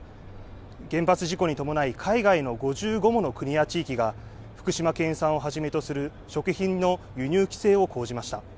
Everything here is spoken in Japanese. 原発事故に伴い、海外の５５もの国や地域が、福島県産をはじめとする食品の輸入規制を講じました。